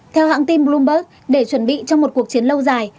theo hãng tin bloomberg để chuẩn bị cho một cuộc chiến lâu dài